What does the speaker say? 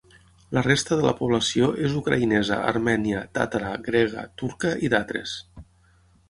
La resta de la població és ucraïnesa, armènia, tàtara, grega, turca i d'altres.